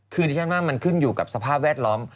คือดิฉันว่ามันขึ้นอยู่กับสภาพแวดล้อม